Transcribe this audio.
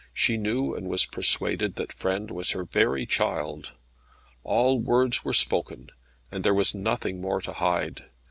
She knew and was persuaded that Frêne was her very child. All words were spoken, and there was nothing more to hide.